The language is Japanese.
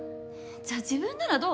じゃあ自分ならどう？